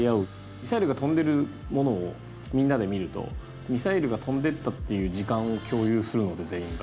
ミサイルが飛んでるものをみんなで見るとミサイルが飛んでったっていう時間を共有するので全員が。